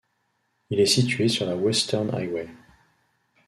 Il est situé sur la Western Highway.